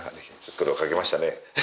苦労かけましたね。